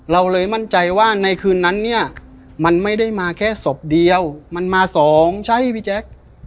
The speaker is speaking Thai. เราเลยมั่นใจว่าในคืนนั้นเนี่ยมันไม่ได้มาแค่ศพเดียวมันมาสองใช่พี่แจ๊ค